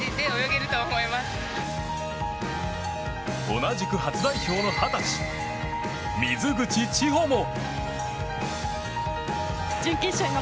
同じく初代表の二十歳水口知保も。